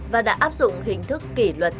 và đã áp dụng hình thức kỷ luật